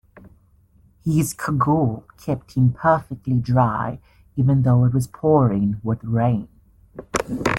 His cagoule kept him perfectly dry even though it was pouring with rain